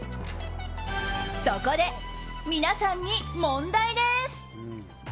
そこで、皆さんに問題です。